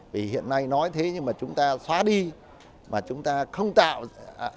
vì hiện nay nói thế nhưng mà chúng ta xóa đi mà chúng ta không tạo ra những cái phương thức vận tải mới